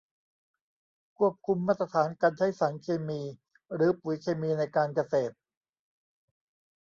ควบคุมมาตรฐานการใช้สารเคมีหรือปุ๋ยเคมีในการเกษตร